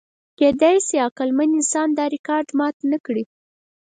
کېدی شي عقلمن انسان دا ریکارډ مات نهکړي.